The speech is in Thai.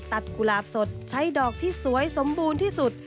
กุหลาบสดใช้ดอกที่สวยสมบูรณ์ที่สุด